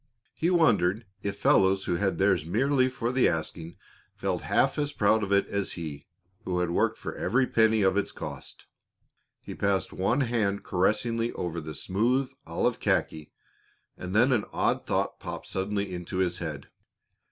He wondered if fellows who had theirs merely for the asking felt half as proud of it as he, who had worked for every penny of its cost. He passed one hand caressingly over the smooth olive khaki, and then an odd thought popped suddenly into his head.